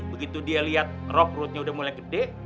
begitu dia liat roh perutnya udah mulai gede